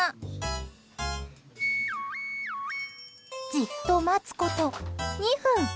じっと待つこと２分。